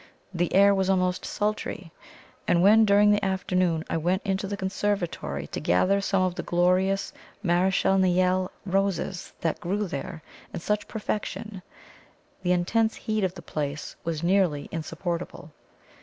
The air was almost sultry, and when during the afternoon I went into the conservatory to gather some of the glorious Marechal Niel roses that grew there in such perfection, the intense heat of the place was nearly insupportable.